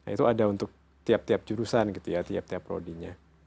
itu ada untuk tiap tiap jurusan gitu ya tiap tiap prodinya